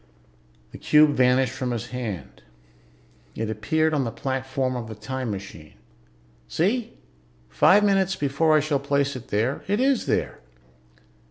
The cube vanished from his hand. It appeared on the platform of the time machine. "See? Five minutes before I shall place it there, it is there!"